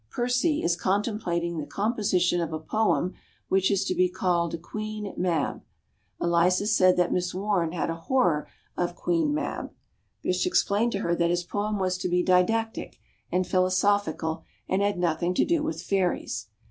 Percy is contemplating the composition of a poem which is to be called "Queen Mab." Eliza said that Miss Warne had a horror of "Queen Mab"; Bysshe explained to her that his poem was to be didactic and philosophical and had nothing to do with fairies.